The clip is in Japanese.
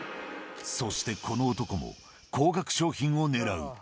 そしてこの男も、高額商品をねらう。